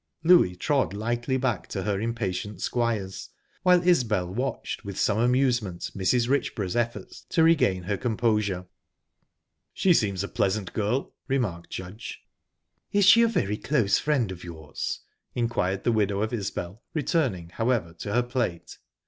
Louie trod lightly back to her impatient squires, while Isbel watched with some amusement Mrs. Richborough's efforts to regain her composure. "She seems a pleasant girl," remarked Judge. "Is she a very close friend of yours?" inquired the widow of Isbel, returning, however, to her plate.